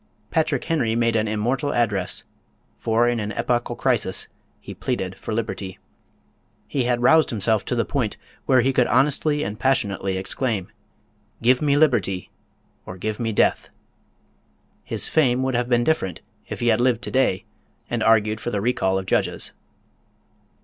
Patrick Henry made an immortal address, for in an epochal crisis he pleaded for liberty. He had roused himself to the point where he could honestly and passionately exclaim, "Give me liberty or give me death." His fame would have been different had he lived to day and argued for the recall of judges.